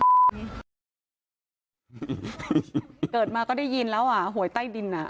เกิดมาก็ได้ยินแล้วอ่ะหวยใต้ดินอ่ะ